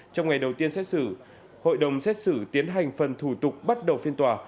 trong ngày đầu tiên xét xử hội đồng xét xử tiến hành phần thủ tục bắt đầu phiên tòa